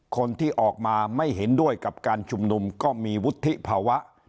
คนที่ออกมาไม่เห็นด้วยกับการชุมนุมก็มีวุฒิภาวะ